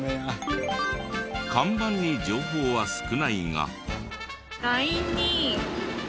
看板に情報は少ないが。